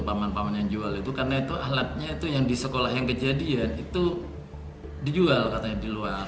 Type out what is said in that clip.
paman paman yang jual itu karena itu alatnya itu yang di sekolah yang kejadian itu dijual katanya di luar